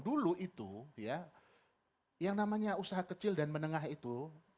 dulu itu ya yang namanya usaha kecil dan menengah itu